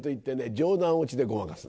冗談落ちでごまかす。